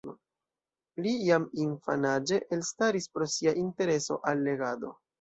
Li jam infanaĝe elstaris pro sia intereso al legado.